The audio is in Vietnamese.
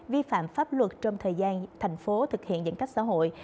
vi phạm pháp luật trong thời gian thành phố thực hiện giãn cách xã hội